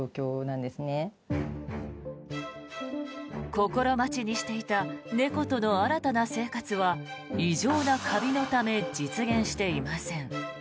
心待ちにしていた猫との新たな生活は異常なカビのため実現していません。